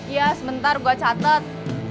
iya sebentar gue catet